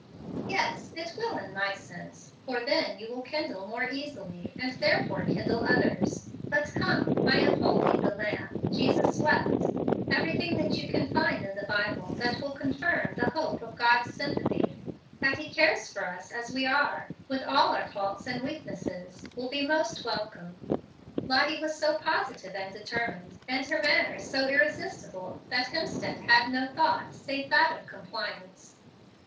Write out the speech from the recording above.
"Yes, it will in my sense, for then you will kindle more easily, and therefore kindle others. But come, I am holding the lamp, 'Jesus wept.' Every thing you can find in the Bible that will confirm the hope of God's sympathy that He cares for us as we are, with all our faults and weaknesses will be most welcome." Lottie was so positive and determined, and her manner so irresistible, that Hemstead had no thought, save that of compliance.